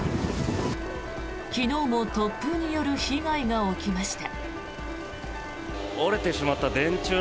昨日も突風による被害が起きました。